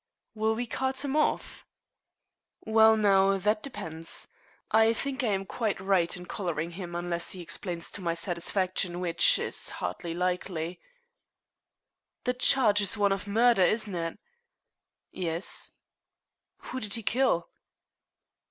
"Will we cart him off?" "Well, now, that depends. I think I am quite right in collaring him unless he explains to my satisfaction, which is hardly likely." "The charge is one of murder, isn't it?" "Yes." "Who did he kill?"